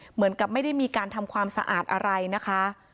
เหมือนกับไม่ได้มีการทำความสะอาดอะไรนะคะ